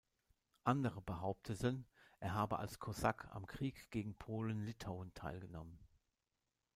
Andere behaupteten, er habe als Kosak am Krieg gegen Polen-Litauen teilgenommen.